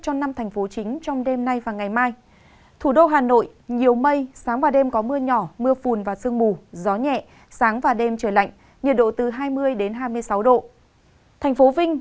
cho năm thành phố chính phủ